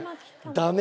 ダメ。